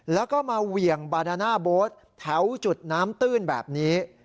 แล้วก็มาเหวี่ยงบาดาน่าโบ๊ทแถวจุดน้ำตื้นแบบนี้